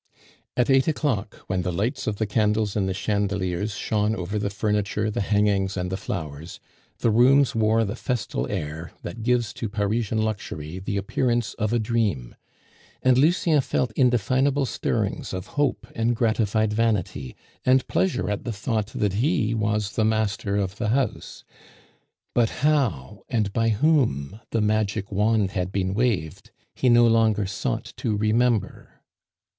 At eight o'clock, when the lights of the candles in the chandeliers shone over the furniture, the hangings, and the flowers, the rooms wore the festal air that gives to Parisian luxury the appearance of a dream; and Lucien felt indefinable stirrings of hope and gratified vanity and pleasure at the thought that he was the master of the house. But how and by whom the magic wand had been waved he no longer sought to remember.